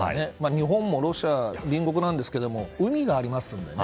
日本もロシアは隣国ですが海がありますのでね。